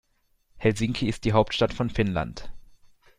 Helsinki ist die Hauptstadt von Finnland.